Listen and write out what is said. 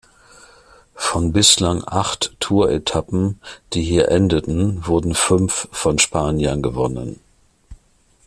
Von bislang acht Tour-Etappen, die hier endeten, wurden fünf von Spaniern gewonnen.